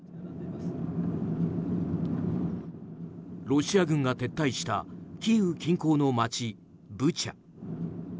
ロシア軍が撤退したキーウ近郊の街、ブチャ。